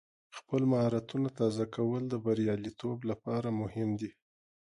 خپل مهارتونه تازه کول د بریالیتوب لپاره مهم دی.